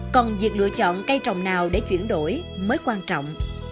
còn việc lựa chọn cây trồng nào để chuyển đổi mới quan trọng